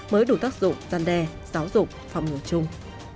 mới đủ tác dụng gian đe giáo dục phòng ngừa chung